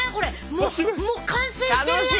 もうもう完成してるやん！